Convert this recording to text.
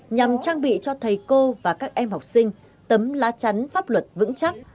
nhằm trang bị cho thầy cô và các em học sinh tấm lá chắn pháp luật vững chắc